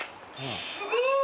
すごい。